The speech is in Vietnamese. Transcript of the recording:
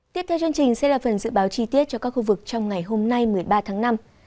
tiếp theo chương trình sẽ là phần dự báo chi tiết cho các khu vực trong ngày hôm nay một mươi ba tháng năm